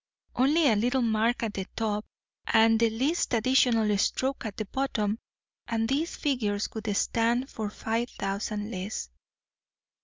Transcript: Only a little mark at the top and the least additional stroke at the bottom and these figures would stand for five thousand less.